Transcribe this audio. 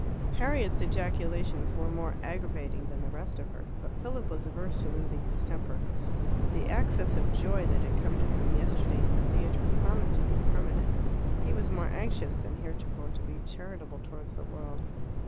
Harriet's ejaculations were more aggravating than the rest of her. But Philip was averse to losing his temper. The access of joy that had come to him yesterday in the theatre promised to be permanent. He was more anxious than heretofore to be charitable towards the world.